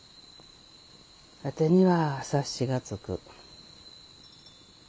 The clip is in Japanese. ワテには察しがつく。